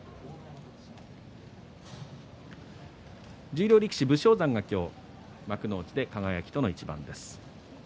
十両力士、武将山が今日幕内で輝との一番です。